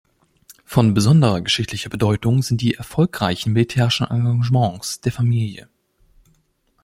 Von besonderer geschichtlicher Bedeutung sind die erfolgreichen militärische Engagements der Familie.